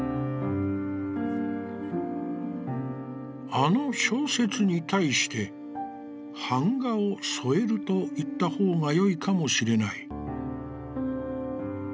「あの小説に対して『板画を添える』といった方がよいかもしれない」。